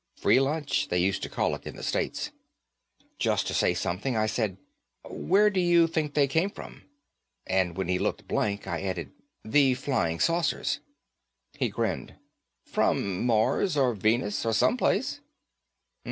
Free lunch, they used to call it in the States. Just to say something, I said, "Where do you think they came from?" And when he looked blank, I added, "The Flying Saucers." He grinned. "From Mars or Venus, or someplace."